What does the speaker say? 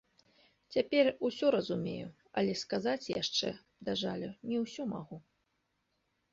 Цяпер усё разумею, але сказаць яшчэ, да жалю, не ўсё магу.